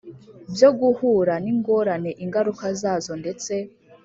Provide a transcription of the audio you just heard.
Byo guhura n ingorane ingaruka zazo ndetse